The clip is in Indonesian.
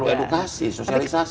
perlu edukasi sosialisasi